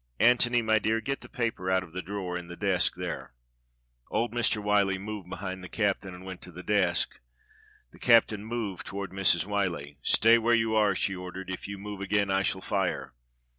Antony, my dear, get the paper out of the drawer in the desk there." Old Mr. Wliyllie moved behind the captain and went to the desk. The captain moved toward Mrs. Whyllie. "Stay where you are!" she ordered. "If you move again I shall fire."